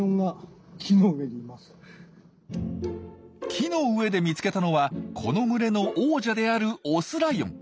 木の上で見つけたのはこの群れの王者であるオスライオン。